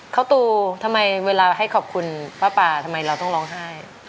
ข้าวตูทำไมเวลาให้ขอบคุณป้าปลาทำไมเราต้องร้องไห้